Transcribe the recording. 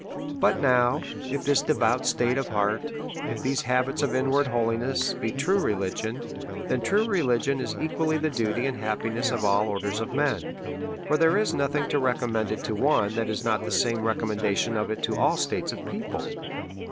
But now, if this devout state of heart, if these habits DEVOUT AND HOLY LIFE. 113 of inward holiness, be true religion, then true relii^ion is equally the duty and happiness of all orders of men ; for there is nothin" to recommend it to one that is not the game recommendation of it to all states ot people.